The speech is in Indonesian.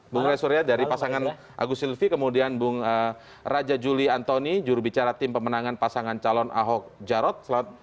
bung rey surya dari pasangan agus silvi kemudian bung raja juli antoni jurubicara tim pemenangan pasangan calon ahok jarot